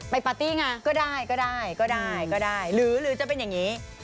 ไปปาร์ตี้ไงก็ได้หรือจะเป็นอย่างงี้